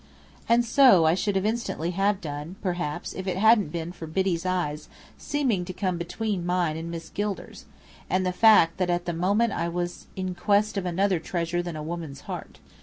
And so I should instantly have done, perhaps, if it hadn't been for Biddy's eyes seeming to come between mine and Miss Gilder's: and the fact that at the moment I was in quest of another treasure than a woman's heart.